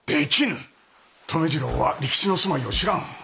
留次郎は利吉の住まいを知らぬ。